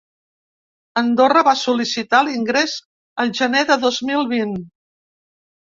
Andorra va sol·lictar l’ingrés el gener de dos mil vint.